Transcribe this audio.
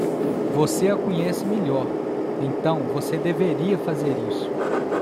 Você a conhece melhor, então você deveria fazer isso.